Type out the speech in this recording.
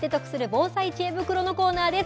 防災知恵袋のコーナーです。